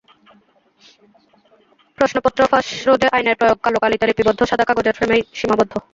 প্রশ্নপত্র ফাঁস রোধে আইনের প্রয়োগ কালো কালিতে লিপিবদ্ধ সাদা কাগজের ফ্রেমেই সীমাবদ্ধ।